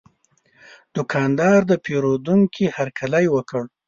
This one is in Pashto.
دوکاندار د پیرودونکي هرکلی وکړ.